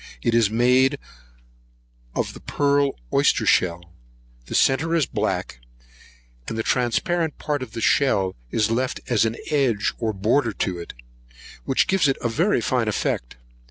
It is made of the pearl oyster shell. The centre is black, and the transparent part of the shell is left as an edge or border to it, which gives it a very fine effect.